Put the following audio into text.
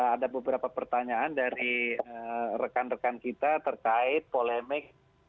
ada beberapa pertanyaan dari rekan rekan kita terkait polemik